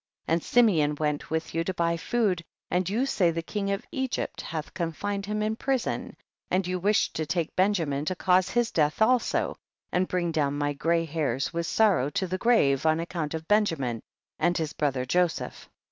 3. And Simeon went with you to buy food and you say the king of Egypt hath confined him in prison, and you wish to take Benjamin to cause his death also, and bring down my grey hairs with sorrow to the grave on account of Benjamin and his brother Joseph.